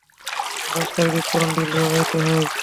Bunker বিস্ফোরক drill ব্যবহৃত হবে।